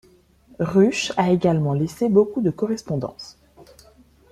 Rusch a également laissé beaucoup de correspondances.